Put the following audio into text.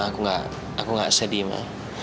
aku nggak aku nggak sedih ma